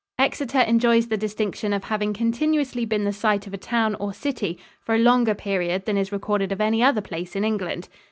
Exeter enjoys the distinction of having continuously been the site of a town or city for a longer period than is recorded of any other place in England.